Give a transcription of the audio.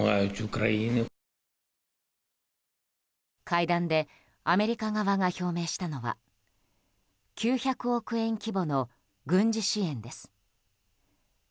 会談でアメリカ側が表明したのは９００億円規模の軍事支援です。